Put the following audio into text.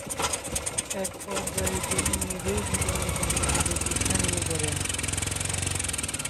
এক পর্যায়ে তিনি নিজেই জীবন বিপন্ন করে যুদ্ধে নেমে পড়েন।